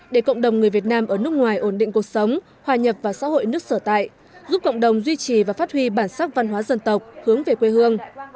để cộng đồng người việt nam ở nước ngoài ổn định cuộc sống hòa nhập và xã hội nước sở tại giúp cộng đồng duy trì và phát huy bản sắc văn hóa dân tộc hướng về quê hương